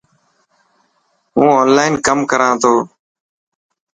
هون اونلان ڪم ڪران ٿو.